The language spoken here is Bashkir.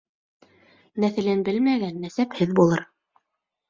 Нәҫелен белмәгән нәсәпһеҙ булыр.